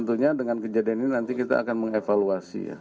tentunya dengan kejadian ini nanti kita akan mengevaluasi ya